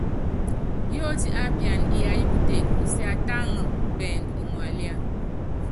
Yótí ápiana iyayɔ́ kuteke, usiatáŋa pɛɛndú iŋalía.